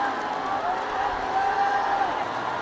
วัฒนิยาพุทธ